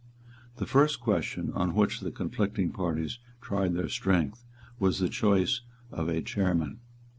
The first question on which the conflicting parties tried their strength was the choice of a chairman.